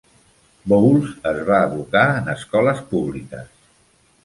Bowles es va educar en escoles públiques.